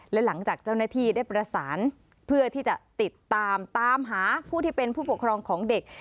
และหลังจากเจ้าหน้าที่ได้ประสานเพื่อที่จะติดตามตามหาผู้ที่เป็นผู้ปกครองของเด็ก